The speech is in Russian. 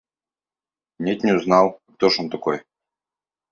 – Нет, не узнал; а кто ж он такой?